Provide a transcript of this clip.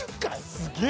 すげえ！